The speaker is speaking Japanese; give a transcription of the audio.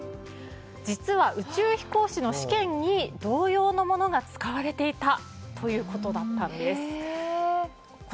実は、宇宙飛行士の試験に同様のものが使われていたということだったんです。